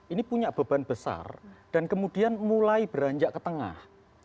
ini punya beban besar dan kemudian mulai beranjak ke tengah